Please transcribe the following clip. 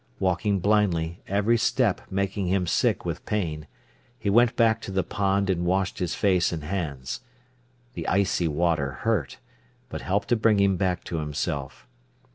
Walking blindly, every step making him sick with pain, he went back to the pond and washed his face and hands. The icy water hurt, but helped to bring him back to himself.